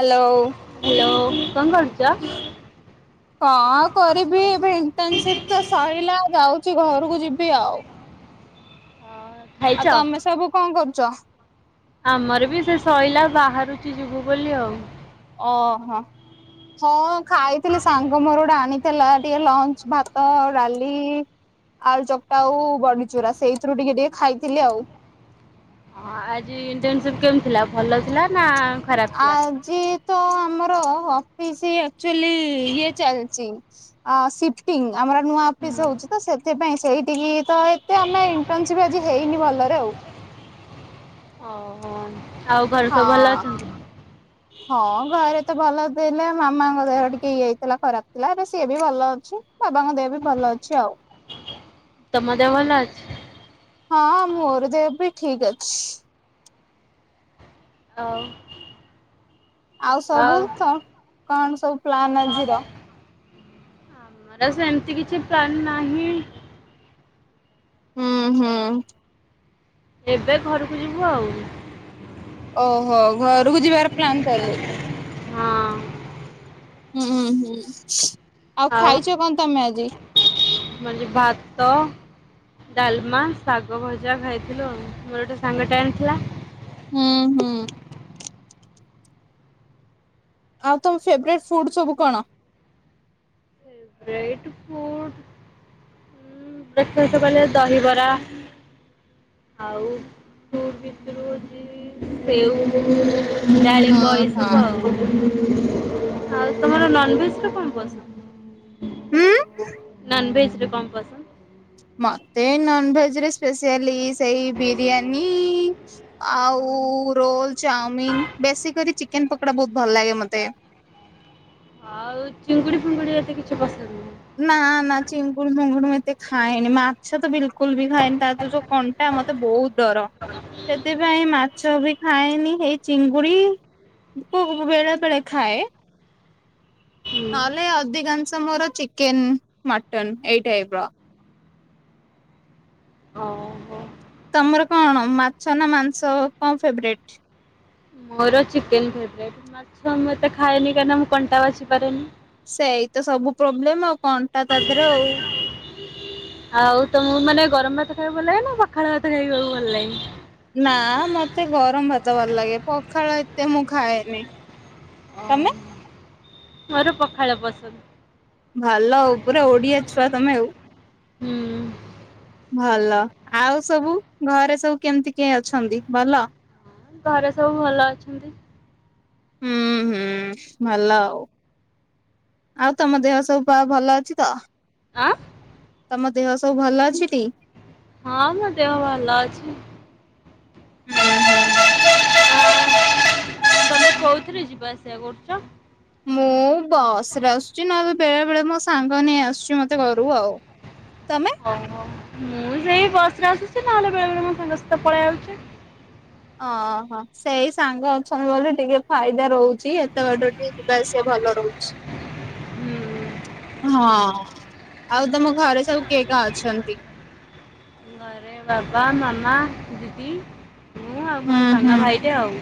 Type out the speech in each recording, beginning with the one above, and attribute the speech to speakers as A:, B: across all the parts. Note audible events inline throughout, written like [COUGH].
A: Hello.
B: Hello, କଣ କରୁଚ?
A: କଣ କରିବି ଏବେ ଇନର୍ଟନସିପ୍ ତ ସହିଲା ଯାଉଛି ଘରକୁ ଯିବି ଆଉ।
B: ହଁ ଖାଇଛ?
A: ଆଉ ତୋମେ ସବୁ କଣ କରୁଚ?
B: ଆମର ବି ସେ ସଇଲା ବାହାରୁଚି ଯିବୁ ବୋଲି ଆଉ।
A: ଓ ହଁ, ହଁ ଖାଇଥିଲି ସାଙ୍ଗ ମୋର ଗୋଟେ ଆଣିି ଥିଲା ଟିକେ ଲଞ୍ଚ ଭାତ ଆଉ ଡାଲି ଆଳୁ ଚକଟା ଆଉ ବଡିଚୁରା ସେଇଥିରୁ ଟିକେ ଟିକେ ଖାଇଥିଲି ଆଉ।
B: ହଁ ଆଜି ଇଣ୍ଟର୍ନସିପ୍ କେମିତି ଥିଲା? ଭଲ ଥିଲା ନା ଖରାପ ଥିଲା?
A: ଆଜି ତ ଆମର ଅଫିସି ଆକ୍ଚୁଲି ଇଏ ଚାଲିଚି। ଆ, ସିଫ୍ଟିଙ୍ଗ ଆମର ନୂଆ ଅଫିସ୍ ହଉଛି ତ ସେଥିପାଇଁ ସେଇଟିକି ତ ଏ ତେ ଆମେ ଇଣ୍ଟର୍ନସିପ ଆଜି ହେଇନି ଭଲରେ ଆଉ।
B: ଓହୋ, ଆଉ ଭ
A: ହଁ। ହଁ ଘରେ ତ ଭଲ ଥିଲେ, ମାମାଙ୍କ ଦେହ ଟିକେ ଇଏ ହେଇଥିଲା ଖରାପ ଥିଲା, ଏବେ ସିଏ ବି ଭଲ ଅଛି। ବାବାଙ୍କ ଦେହ ବି ଭଲ ଅଛି ଆଉ।
B: ତୋମ ଦେହ ଭଲ ଅଛି?
A: ହଁ ମୋର ଦେହ ବି ଠିକ ଅଛି।
B: ଆଉ।
A: ଆଉ ସବୁ ସ- କଣ ସବୁ ପ୍ଲାନ୍ ଆଜିର?
B: ମୋର ସେମତି କିଛି ପ୍ଲାନ୍ ନାହିଁ।
A: ହୁଁ, ହୁଁ।
B: ଏବେ ଘରକୁ ଯିବୁ ଆଉ।
A: ଓହୋ, ଘରକୁ ଯିବାର ପ୍ଲାନ୍ ତାହେଲେ?
B: ହଁ।
A: ହୁଁଁ, ହୁଁ ଆଉ ଖାଇଛ କଣ ତୋମେ ଆଜି?
B: ମୁଁ ଆଜି ଭାତ ଡାଲମା, ଶାଗ ଭଜା ଖାଇଥିଲୁ ଆଉ, ମୋର ଗୋଟେ ସାଙ୍ଗ ଟେ ଆଣି ଥିଲା।
A: ହୁଁ, ହୁଁ। ଆଉ ତୋମ ଫେବରେଟ୍ ଫୁଡ୍ ସବୁ କଣ?
B: ଏଇଟି ଫୁ ବିଶେଷ କହିଲେ ଦହିବରା। ଆଉ ଫୁଟ୍ ଭିତରୁ ହଉଛି ସେଉ [INAUDIBLE] ଡାଳିମ୍ବ ଏଇ
A: ଓହୋ
B: ସବୁ ଆଉ, ଆଉ ତୋମର ନନଭେଜ୍ ରେ କଣ ପସନ୍ଦ?
A: ହୁଁ।
B: ନନଭେଜ୍ ରେ କଣ ପସନ୍ଦ?
A: ମୋତେ ନନଭେଜ୍ ରେ ସ୍ପେସିଆଲି ସେଇ ବିରିୟାନୀ। ଆଉ ରୋଲ୍ ଚାଉମିିନ ବେଶୀ କରି ଚିକେନ ପକୋଡା ବହୁତ ଭଲ ଲାଗେ ମତେ।
B: ଆଉ ଚିଙ୍ଗୁଡି ଫିଙ୍ଗୁଡି ଏତେ କିଛି ପସନ୍ଦ ନୁହଁ।
A: ନାଁ ନାଁ ଚିଙ୍ଗୁଡି ମୀଙ୍ଗୁଡ଼ି ମୁଁ ଏତେ ଖାଏନି ମାଛ ତ ବିଲକୁଲ୍ ବି ଖାଏନି ତାର ଯୋଉ ସବୁ କଣ୍ଟା ମତେ ବହୁତ ଡର। ସେଥିପାଇଁ ମାଛ ବି ଖାଏନି ଏଇ ଚିଙ୍ଗୁଡି ଭୋକ କଲେ ବେଳେ ବେଳେ ଖାଏ।
B: ହୁଁ।
A: ନହେଲେ ଅଧିକାଂଶ ମୋର ଚିକେନ ମଟନ ଏଇ ଟାଇପର।
B: ଓ ହୋ।
A: ତମର କଣ ମାଛ ନାଁ ମାଂସ କଣ ଫେବ୍ରେଟ୍?
B: ମୋର ଚିକେନ ଫେବ୍ରେଟ୍ ମାଛ ମୁଁ ଏତେ ଖାଏନି କାରଣ ମୁଁ କଣ୍ଟା ବାଛି ପାରେନି।
A: ସେଇତ ସବୁ ପ୍ରୋବ୍ଲେମ୍ ଆଉ କଣ୍ଟା ତା ଦେହେରେ ଆଉ।
B: ଆଉ ତମକୁ ମାନେ ଗରମ ଭାତ ଖାଇବାକୁ ଭଲ ଲାଗେ ନାଁ ପଖାଳ ଭାତ ଖାଇବାକୁ ଭଲ ଲାଗେ?
A: ନାଁ ମତେ ଗରମ ଭାତ ଭଲ ଲାଗେ ପଖାଳ ଏତେ ମୁଁ ଖାଏନି। ତମେ?
B: ମୋର ପଖାଳ ପସନ୍ଦ।
A: ଭଲ ଆଉ ପୁରା ଓଡିଆ ଛୁଆ ତମେ ଆଉ।
B: ହୁଁ।
A: ଭଲ ଆଉ ସବୁ ଘରେ ସବୁ କେମିତି କିଏ ଅଛନ୍ତି ଭଲ?
B: ଘରେ ସବୁ ଭଲ ଅଛନ୍ତି।
A: ହୁଁ ହୁଁ ଭଲ ଆଉ। ଆଉ ତମ ଦେହ ସବୁ ପ୍ରାୟ ଭଲ ଅଛି ତ?
B: ଆଁ?
A: ତମ ଦେହ ସବୁ ଭଲ ଅଛି ଟି?
B: ହଁ ମୋ ଦେହ ଭଲ ଅଛି।
A: ହୁଁ ହୁଁ ହୁଁ।
B: ଆଉ ତମେ କୋଉଥିରେ ଯିବା ଆସିବା କରୁଛ?
A: ମୁଁ ବସ୍ ରେ ଆସୁଛି ନହେଲେ ବେଳେ ବେଳେ ମୋ ସାଙ୍ଗ ନେଇ ଆସୁଛି ମତେ ଘରୁ ଆଉ। ତମେ?
B: ଓ ହୋ ମୁଁ ସେଇ ବସ୍ ରେ ଆସୁଛି ନହେଲେ ବେଳେ ବେଳେ ମୋ ସାଙ୍ଗ ସହିତ ପଳେଇ ଆସୁଛି।
A: ଓ ହୋ ସେଇ ସାଙ୍ଗ ଅଛନ୍ତି ବୋଲି ଟିକେ ଫାଇଦା ରହୁଛି ଏତେ ବାଟ ଟି ଯିବା ଆସିବା ଭଲ ରହୁଛି।
B: ହୁଁ।
A: ହଁ ଆଉ ତମ ଘରେ ସବୁ କିଏ କିଏ ଅଛନ୍ତି?
B: ଘରେ ବାବା ମାମା ଦିଦି ମୁଁ ଆଉ
A: ହୁଁ
B: ମୋ
A: ହୁଁ
B: ସାନ ଭାଇଟେ ଆଉ।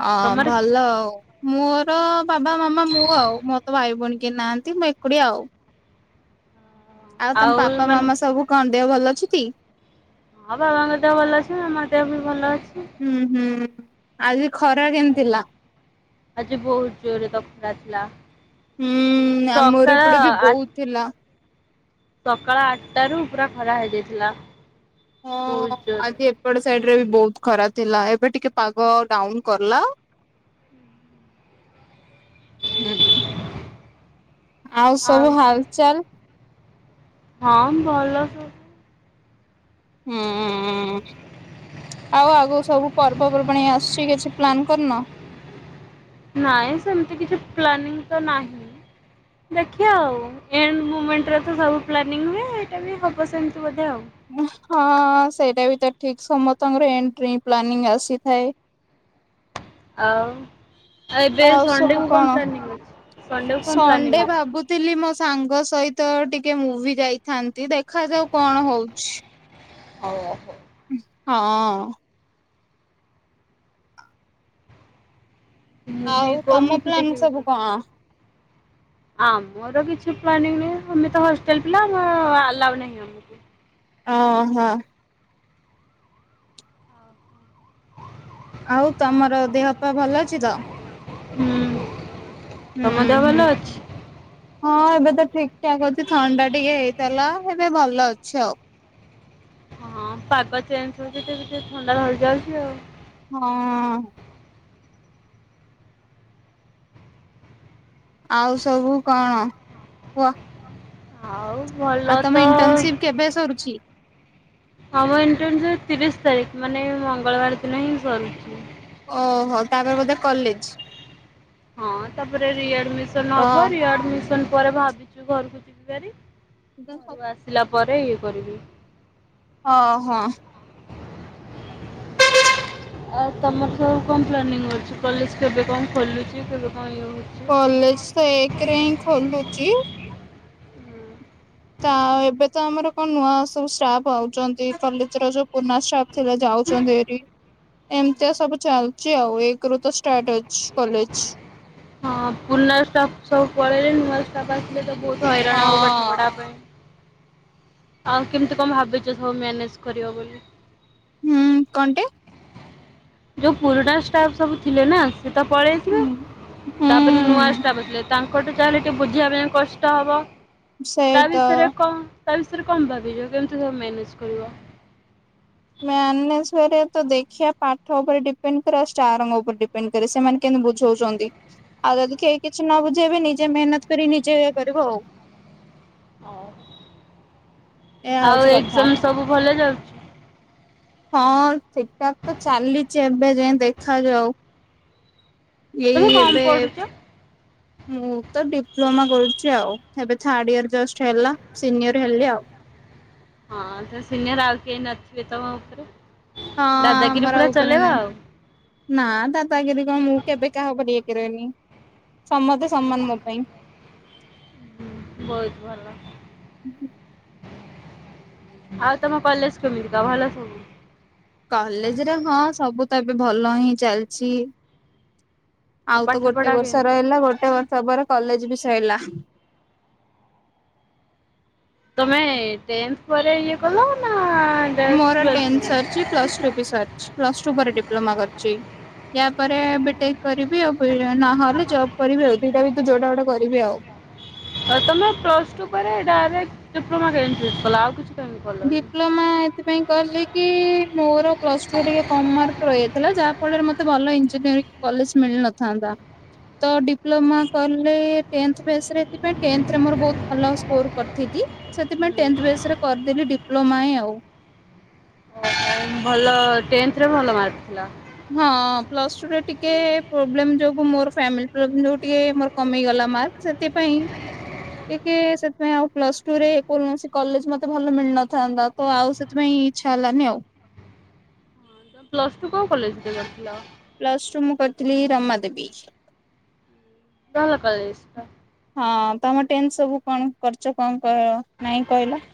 A: ହଁ
B: ତମର
A: ଭ ଲ ଆଉ ମୋର ବାବା ମାମା ମୁଁ ଆଉ ମୋର ତ ଭାଇ ଭଉଣୀ କେହି ନାହାନ୍ତି ମୁଁ ଏକୁଟିଆ ଆଉ। ଆଉ ତମ ପାପା ମାମା ସବୁ କଣ ଦେହ ଭଲ ଅଛି ଟି?
B: ହଁ ବାବାଙ୍କ ଦେହ ଭଲ ଅଛି ମାମା ଦେହ ବି ଭଲ ଅଛି।
A: ହୁଁ ହୁଁ ଆଜି ଖରା କେମିତି ଥିଲା?
B: ଆଜି ବହୁତ ଜୋରେ ତ ଖରା ଥିଲା।
A: ହୁଁ ଆମର
B: ସକାଳ
A: ଏପଟେ ବି
B: ଆ
A: ବହୁତ ଥିଲା।
B: ସକାଳ ଆଟାରୁ ପୁରା ଖରା ହେଇଯାଇଥିଲା
A: ହଁ
B: ବହୁତ ଜୋରେ।
A: ଆଜି ଏପଟ ସାଇଟ୍ ରେ ବି ବହୁତ ଖରା ଥିଲା ଏବେ ଟିକେ ପାଗ ଡାଉନ୍ କଲା। ହୁଁ ଆଉ ସବୁ ହାଲଚାଲ୍?
B: ହଁ ଭଲ ସବୁ।
A: ହୁଁ। ଆଉ ଆଗକୁ ସବୁ ପର୍ବ ପର୍ବାଣି ଆସୁଚି କିଛି ପ୍ଲାନ୍ କରିନ?
B: ନାଇଁ ସେମତି କିଛି ପ୍ଲାନିଂ ତ ନାହିଁ। ଦେଖିଆ ଆଉ। ଏଣ୍ଡ ମୁମେଣ୍ଟ ରେ ତ ସବୁ ପ୍ଲାନିଂ ହୁଏ, ଏଇଟା ବି ହବ ସେମତି ବୋଧେ ଆଉ।
A: ହଁ ସେଇଟା ବି ତ ଠିକ୍। ସମସ୍ତଙ୍କର ଏଣ୍ଡ୍ ରେ ପ୍ଲାନିଂ ଆସିଥାଏ।
B: ଆଉ, ଆଉ ଏବେ ସଣ୍ଡେ କୁ କଣ ପ୍ଲାନିଂ ଅଛି ସଣ୍ଡେ କୁ କଣ ପ୍ଲାନିଂ ଅଛି?
A: ଥିଲି ମୋ ସାଙ୍ଗ ସହିତ ଟିକେ ମୁଭି ଯାଇଥାନ୍ତି ଦେଖାଯାଉ କଣ ହଉଚି।
B: ଓହୋ।
A: ହଁ।
B: ମୁଭି
A: ଆଉ
B: କୋଉ
A: ତମ
B: ମୁଭି
A: ପ୍ଲାନ
B: ଦେଖିବାକୁ
A: ସବୁ
B: ଯିବେ?
A: କଣ?
B: ଆମର କିଛି ପ୍ଲାନିଂ ନାହିଁ। ଆମେ ତ ହଷ୍ଟେଲ ପିଲା ଆଲାଉ ନାହିଁ ଆମକୁ।
A: ଓହୋ। ଆଉ ତମର ଦେହ ପା ଭଲ ଅଛି ତ?
B: ହୁଁ। ତମ
A: ହୁଁ
B: ଦେହ ଭଲ
A: ହୁଁ।
B: ଅଛି?
A: ହଁ ଏବେ ତ ଠିକ୍ ଠାକ୍ ଅଛି ଥଣ୍ଡା ଟିକେ ହେଇଥେଲା। ଏବେ ଭଲ ଅଛି ଆଉ।
B: ହଁ ପାଗ ଚେଞ୍ଜ ହଉଛି ଯେ ବି ଟିକେ ଥଣ୍ଡା ଧରିଯାଉଚି ଆଉ।
A: ହଁ। ଆଉ ସବୁ କଣ କୁହ।
B: ଆଉ
A: ଆଉ
B: ଭଲ
A: ତମ
B: ତ
A: ଇଣ୍ଟର୍ନସିପ କେବେ ସରୁଚି?
B: ଆମ ଇଣ୍ଟର୍ନସିପ୍ ତିରିଶ ତାରିଖ୍ ମାନେ ମଙ୍ଗଳବାର ଦିନ ହିଁ ସରୁଚି।
A: ଓହୋ ତାପରେ ବୋଧେ କଲେଜ୍?
B: ହଁ ତାପରେ ରିଆଡିମିସନ୍
A: ଅ
B: ହବ। ରିଆଡିମିସନ୍ ପରେ ଭାବିଚି ଘରକୁ ଯିବି ଭାରି। ଘରୁ ଆସିଲା ପରେ ଇଏ କରିବି।
A: ଅ ହଁ।
B: [INAUDIBLE] ଆଉ ତମର ସବୁ କଣ ପ୍ଲାନିଂ ଅଛି? କଲେଜ୍ କେବେ କଣ ଖୋଲୁଚି କେବେ କଣ ଇଏ ହଉଚି।
A: କଲେଜ୍ ତ ଏକ ରେ ହିଁ ଖୋଲୁଚି। ତ ଏବେ ତ ଆମର କଣ ନୂଆ ସବୁ ଷ୍ଟାଫ ଆଉଛନ୍ତି କଲେଜ ର ଯୋଉ ପୁରୁଣା ଷ୍ଟାଫ୍ ସେରା ଯାଉଛନ୍ତି ଭାରି ଏମିତିଆ ସବୁ ଚାଲୁଚି ଆଉ। ଏକ ରୁ ତ ଷ୍ଟାର୍ଟ ଅଛି କଲେଜ୍।
B: ହଁ ପୁରୁଣା ଷ୍ଟାପ୍ ସବୁ ପଳେଇଲେ ନୂଆ ଷ୍ଟାପ୍ [UNINTELLIGIBLE] ତ ବହୁତ ହଇରାଣ ହବୁ ପାଠ ପଢ଼ା
A: ହଁ।
B: ପାଇଁ। ଆଉ କେମିତି କଣ ଭାବିଚ ସବୁ ମ୍ୟାନେଜ୍ କରିବ ବୋଲି?
A: ହୁଁ କଣ ଟେ?
B: ଯୋଉ ପୁରୁଣା ଷ୍ଟାପ୍ ସବୁ ଥିଲେ ନା ସେ ତ ପଳେଇଥିବେ।
A: ହୁଁ।
B: ତାପରେ ନୂଆ
A: ହୁଁ
B: ଷ୍ଟାଫ ଆସିଲେ ତାଙ୍କଠୁ ଯାହେଲେ ଟିକେ ବୁଝିବା ପାଇଁ କଷ୍ଟ ହବ। ତା
A: ସେଇତ।
B: ବିଷୟରେ କଣ ତା ବିଷୟରେ କଣ ଭାବିଚ? କେମିତି ସବୁ ମ୍ୟାନେଜ୍ କରିବ?
A: ମ୍ୟାନେଜ୍ କରିବା ଦେଖିବା ପାଠ ଉପରେ ଡିପେଣ୍ଡ କରିବା ସାର୍ ଙ୍କ ଉପରେ ଡି ପେଣ୍ଡ କରେ ସେମାନେ କେମତି ବୁଝଉଛନ୍ତି। ଆଉ ଯଦି କେହି କିଛି ନ ବୁଝେଇବେ ନିଜେ ମେହନତ କରି ନିଜେ ଇଏ କରିବୁ ଆଉ। ଏହା ହଉଛି
B: ଆଉ
A: କଥା।
B: ଏଜ୍ଜାମ୍ ସବୁ ଭଲ ଯାଉଚି?
A: ହଁ ଠିକ୍ ଠାକ୍ ତ ଚାଲିଚି ଏବେ ଯାଏ। ଦେଖାଯାଉ। ଏଇ
B: ତମେ କଣ
A: ଏବେ
B: ପଢୁଛ?
A: ମୁଁ ତ ଡିପ୍ଲୋମା କରୁଛି ଆଉ ଏବେ ଥାର୍ଡ ଇୟର ଜଷ୍ଟ ହେଲା। ସିନିୟର ହେଲି ଆଉ।
B: ହଁ ତ ସିନିୟର ଆଉ କେହି ନଥିବେ ତମ ଉପରେ
A: ହଁ
B: ଦାଦାଗିରି
A: ଆମର
B: ପୁରା
A: ଆଉ ଉପରେ
B: ଚଲେଇବ
A: ନାହିଁ।
B: ଆଉ।
A: ନା ଦାଦାଗିରି କଣ ମୁଁ କେବେ କାହାକୁ ଇଏ କରିନି। ସମସ୍ତେ ସମ୍ମାନ ମୋ ପାଇଁ।
B: ହଁ ବହୁତ ଭଲ। ଆଉ ତମ କଲେଜ କେମିତି କ ଭଲ ସବୁ?
A: କଲେଜରେ ହଁ ସବୁ ତ ଏବେ ଭଲ ହିଁ ଚାଲିଛି। ଆଉ ତ
B: ପାଠ
A: ଗୋଟେ
B: ପଢା
A: ବର୍ଷ
B: କେମିତି?
A: ରହିଲା ଗୋଟେ ବର୍ଷ ପରେ କଲେଜ ବି ସରିଲା।
B: ତମେ ଟେନ୍ଥ ପରେ ଇଏ କଲ, ନା ଡାଇରେଟ୍ ଟୁୱଲେଭ?
A: ପ୍ଲ ଟୁ ବି ସରିଛି ପ୍ଲ ଟୁ ପରେ ଡିପ୍ଲୋମା କରିଛି ୟା ପରେ ବିଟେକ୍ କରିବି ଆଉ ନହେଲେ ଜବ୍ କରିବି ଆଉ, ଦିଟା ଭିତରେ ଯୋଉଟା ଗୋଟେ କରିବି ଆଉ।
B: ହଁ ତମ ପ୍ଲସ ଟୁ ପରେରେ ଡାଇରେକ୍ଟ ଡିପ୍ଲୋମା [UNINTELLIGIBLE] କଲନି?
A: ଡିପ୍ଲୋମା ଏଥିପାଇଁ କିଲ କି ମୋର ପ୍ଲସ ଟୁ ଟିକେ କମ୍ ମାର୍କ ରହିଥିଲା ଯା ଫଳରେ ମତେ ଭଲ ଇଞ୍ଜିନିୟରି କଲେଜ ମିଳିନଥାନ୍ତା ତା ତ ଡିପ୍ ଡିପ୍ଲୋମା କଲେ ଟେନ୍ଥ ବେସ ରେ ସେଥିପାଇଁ ଟେନ୍ଥ ରେ ମୋର ବହୁତ ଭଲ ସ୍କୋର। କରିଥିଲି ସେଥିପାଇଁ ଟେନ୍ଥେ ବେସ୍ ରେ କରିଦିଲି ଡିପ୍ଲୋମା ଆଉ।
B: ଭଲ ଟେନ୍ଥରେ ଭଲ ମାର୍କ ଥିଲା।
A: ହଁ ପ୍ଲସଟୁରେ ଟିକେ ପ୍ରୋବ୍ଲେମ ଯୋଉ ମୋର ଫାମିଲ ପ୍ରୋବ୍ଲେ ଯୋଉ ଟିକେ ମୋର କମିଗଲା ମାର୍କ, ସେଥିପାଇଁ ଟିକେ ସେଥିପାଇଁ ଆଉ ପ୍ଲସ ଟୁ ରେ କୌଣସି କଲେଜ ମତେ ଭଲ ମିଳିନଥାନ୍ତା। କ ଆଉ ସେଥିପାଇଁ ଇଚ୍ଛା ହେଲାନି ଆଉ।
B: ପ୍ଲସ ଟୁ କୋଉ କଲେଜରେ କରିଥିଲ?
A: ପ୍ଲସ ଟୁ ମୁଁ କରିଥିଲି ରମା ଦେବୀ।
B: ଭଲ କଲେଜତ।
A: ହଁ ତମ ଟେନ୍ ସବୁ କଣ କରୁଛ କଣ [UNINTELLIGIBLE] ନାଇଁ କହିଲ?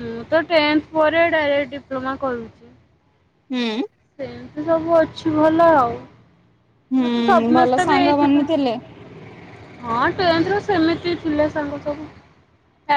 B: ମୁଁ ତ ଟେନ୍ଥ ପରେ ଡାଇରେକ୍ଟ ଡିପ୍ଲୋମା କରଛି।
A: ହୁଁ।
B: ସେମିତି ସବୁ ଅଛି ଭଲ ଆଉ ମତେ
A: ହୁଁ ଭଲ
B: ସମସ୍ତେ ବି
A: ସାଙ୍ଗ
B: ହେଇ [UNINTELLIGIBLE]
A: ବନିଥିଲେ
B: ହଁ ଟୁୱାଭେଲ ରେ ସେମିତି [UNINTELLIGIBLE] ଥିଲେ ସବୁ।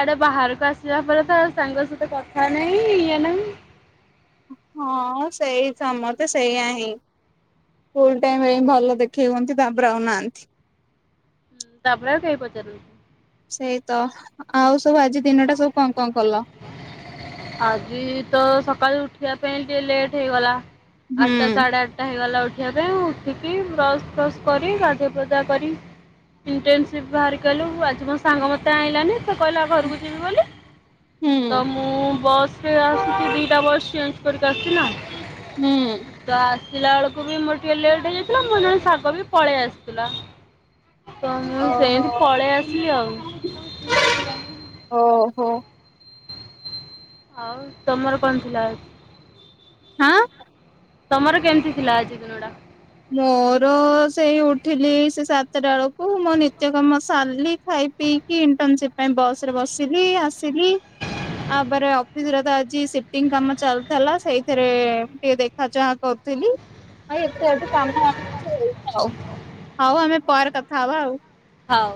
B: ଆଡେ ବାହାରକୁ ଆସିବା ପରେ ତ ସାଙ୍ଗ ସହିତ କଥା ନାହିଁ ଇଏ ନାହିଁ।
A: ହଁ ସେଇ ତ ସମସ୍ତେ ସେଇା ହଁ। ସ୍କୁଲ ଟାଇମ ପାଇଁ ଭଲ ଦେଖେଇ ହୁଅନ୍ତି ତାପରେ ଆଉନାହାନ୍ତି।
B: ତାପରେ ଆଉ କେହି ପଚାରୁନାହାନ୍ତି।
A: ସେଇତ ଆଉ ସବୁ ଆଜି ଦିନ ଟା ସବୁ କଣ କଣ କଲ?
B: ଆଜି ତ ସକାଳୁ ଉଠିବା ପାଇଁ ଟିକେ ଲେଟ୍ ହେଇଗଲା।
A: ହୁଁ
B: ଆଠଟା ସାଢ଼େ ଆଠ ଟା ହେଇଗଲା ଉଠିବା ପାଇଁ ମୁଁ ଉଠିକି ବ୍ରସ୍ ଫ୍ରସ୍ କରି ଗାଧୁଆ ଫାଦୁଆ କରି। ଇଣ୍ଟର୍ନସିପ୍ ବାହାରି କଲୁ ଆଜି ମୋ ସାଙ୍ଗ ମୋତେ ଆଣିଲାନି ତ କହିଲା ଘରକୁ ଯିବି ବୋଲି। ତ
A: ହୁଁ
B: ମୁଁ ବସ ରେ ଆସୁଛି ଦିଟା [UNINTELLIGIBLE] କରି ଆସୁଛି
A: ହୁଁ
B: [UNINTELLIGIBLE] ପିଲା ବେଳକୁ ବି ମୋର ଟିକେ ଲେଟ୍ ହେଇଯାଇଥିଲା ମୋ ନ ଶାଗ ବି ପଳେଇ ଆସିଥିଲା। ତ ମୁଁ
A: ଓହୋ
B: ସେମତି ପଳେଇ ଆସିଲି ଆଉ।
A: ଓହୋ।
B: ଆଉ ତମର କଣ ଥିଲା?
A: ହଁ।
B: ତମର କେମିତି ଥିଲା ଆଜି ଦିନଟା?
A: ମୋର ସେଇ ଉଠିଲି ସେ ସାତଟା ବେଳକୁ, ମୋର ନିତ୍ୟ କାମ ସାରିଲି ଖାଇ ପିଇ କି ଇଣ୍ଟର୍ନସିପ୍ ପାଇଁ ବସ୍ ରେ ବସିଲି ଆସିଲି। ଆପରେ ଅଫିସ୍ ରେ ତ ଆଜି ସିଫ୍ଟିଙ୍ଗ କାମ ଚାଲଥିଲା, ସେଇଥିରେ ଟିକେ ଦେ ଦେଖା ଚାହାଁ କରୁଥିଲି। ଆଉ ଏତେଡ [UNINTELLIGIBLE] ହୋଉ ଆମେ ପରେ କଥା ହବା ଆଉ।
B: ହଉ।